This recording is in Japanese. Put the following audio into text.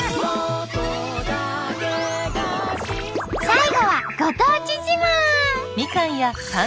最後はご当地自慢。